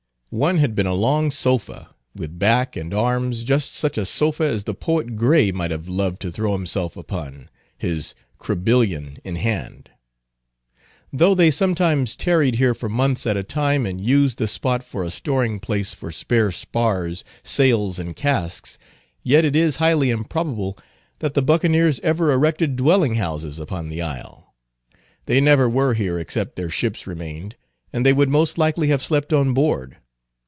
One had been a long sofa, with back and arms, just such a sofa as the poet Gray might have loved to throw himself upon, his Crebillon in hand. "Though they sometimes tarried here for months at a time, and used the spot for a storing place for spare spars, sails, and casks; yet it is highly improbable that the Buccaneers ever erected dwelling houses upon the isle. They never were here except their ships remained, and they would most likely have slept on board.